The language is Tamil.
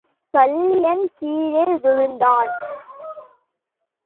சல்லியன் கீழே விழுந்தான்.